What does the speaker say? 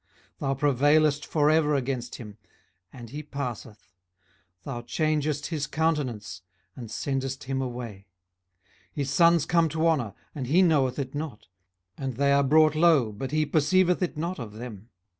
18:014:020 Thou prevailest for ever against him, and he passeth: thou changest his countenance, and sendest him away. 18:014:021 His sons come to honour, and he knoweth it not; and they are brought low, but he perceiveth it not of them.